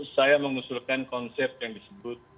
saya mengusulkan konsep yang disebut